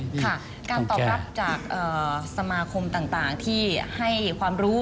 การตอบรับจากสมาคมต่างที่ให้ความรู้